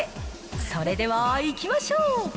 それではいきましょう。